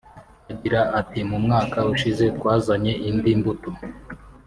Agira ati “Mu mwaka ushize twazanye indi mbuto